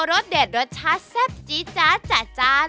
รสเด็ดรสชาติแซ่บยีจะดจาจาน